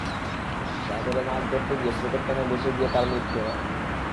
সাগরে মাছ ধরতে গিয়ে স্রোতের টানে ভেসে গিয়ে তাঁর মৃত্যু হয়।